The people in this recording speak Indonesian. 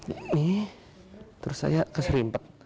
ini terus saya keserimpet